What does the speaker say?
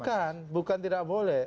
bukan bukan tidak boleh